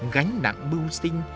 gánh nặng mưu sinh